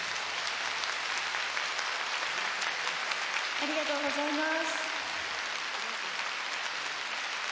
「ありがとうございます」